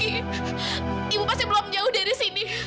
ibu masih belum jauh dari sini